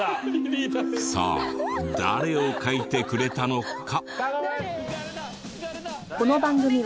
さあ誰を描いてくれたのか？